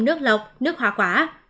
nước lọc nước hỏa quả